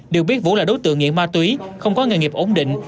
được biết vũ là đối tượng nghiện ma túy không có nghề nghiệp ổn định